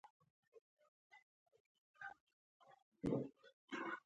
له سپین پوستو سره د سیالۍ جوګه نه شي.